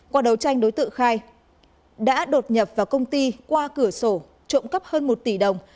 qua đấu tranh đối tượng khai đã đột nhập vào công ty qua cửa sổ trộm cắp hơn một tỷ đồng